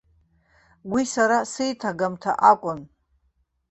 Уи сара сеиҭагамҭа акәын.